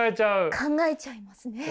考えちゃいますね。